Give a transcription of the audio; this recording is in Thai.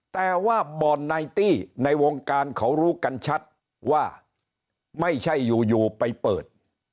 แต่ว่าบ่อนไนตี้ในวงการเขารู้กันชัดว่าไม่ใช่อยู่ไปเปิด